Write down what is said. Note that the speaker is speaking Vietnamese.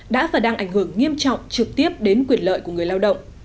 đã và đang ảnh hưởng nghiêm trọng trực tiếp đến quyền lợi của người lao động